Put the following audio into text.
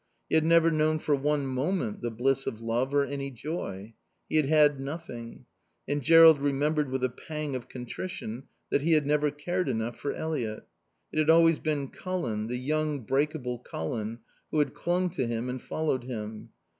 He had never known for one moment the bliss of love or any joy. He had had nothing. And Jerrold remembered with a pang of contrition that he had never cared enough for Eliot. It had always been Colin, the young, breakable Colin, who had clung to him and followed him.